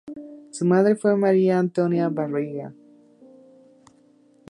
Su madre fue María Antonia Barriga.